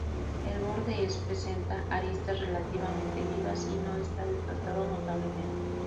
El borde es presenta aristas relativamente vivas y no está desgastado notablemente.